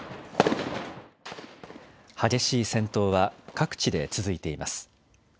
激しい戦闘は各地で続いています。